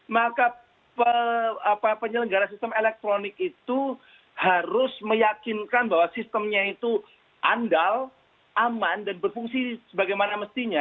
maka penyelenggara sistem elektronik itu harus meyakinkan bahwa sistemnya itu andal aman dan berfungsi sebagaimana mestinya